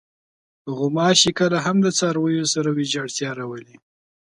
غوماشې کله هم د څارویو سره ویجاړتیا راولي.